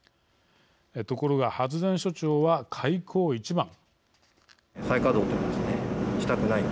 ところが、発電所長は開口一番。